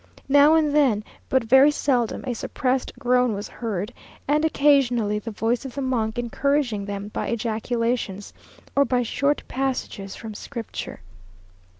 Now and then, but very seldom, a suppressed groan was heard, and occasionally the voice of the monk encouraging them by ejaculations, or by short passages from Scripture.